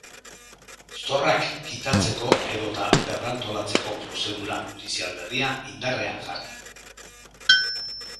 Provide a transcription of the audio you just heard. Zorrak kitatzeko edota berrantolatzeko prozedura judizial berria indarrean jarri.